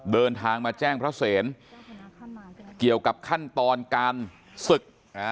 เดินทางมาแจ้งพระเศรเกี่ยวกับขั้นตอนการศึก